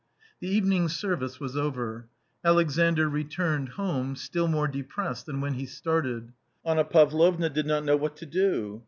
The evening service was over. Alexandr returned home, still more depressed than when he started. Anna Pavlovna did not know what to do.